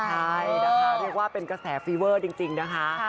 ใช่นะคะเรียกว่าเป็นกระแสฟีเวอร์จริงนะคะ